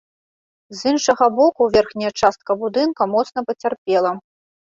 З іншага боку, верхняя частка будынка моцна пацярпела.